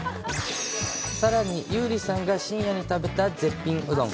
さらに優里さんが深夜に食べた絶品うどん。